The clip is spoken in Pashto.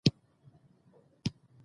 قانون د فساد پر وړاندې خنډ جوړوي.